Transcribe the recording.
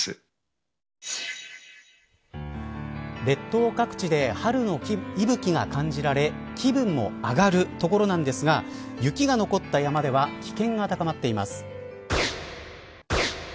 列島各地で春の息吹が感じられ気分も上がるところなんですが雪が残った山では危険が高まっています。